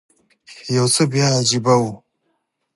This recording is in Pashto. یو څه بیا عجیبه و.